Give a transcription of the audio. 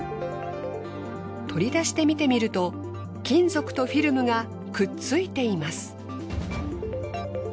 取り出して見てみると金属とフィルムがくっついています。